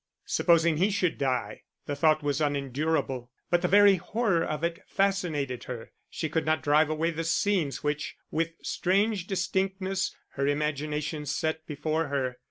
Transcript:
Supposing he should die? The thought was unendurable, but the very horror of it fascinated her; she could not drive away the scenes which, with strange distinctness, her imagination set before her.